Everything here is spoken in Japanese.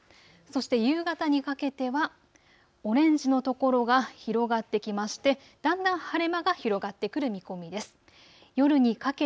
そして夕方にかけてはオレンジの所が広がってきましてだんだん晴れ間が広がってくる見込みです。